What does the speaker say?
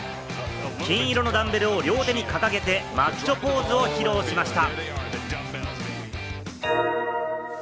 黄色のダンベルを両手に掲げて、マッチョポーズを披露しました。